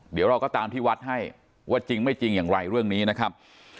เดี๋ยวเราก็ตามที่วัดให้ว่าจริงไม่จริงอย่างไรเรื่องนี้นะครับ